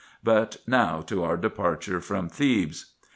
But now to our departure from Thebes.